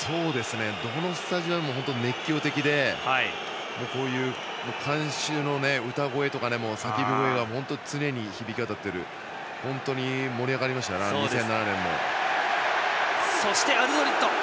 どのスタジアムも熱狂的で観衆の歌声や叫び声が常に響き渡っていて本当に盛り上がりました２００７年も。